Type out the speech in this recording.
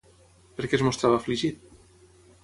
Per què es mostrava afligit?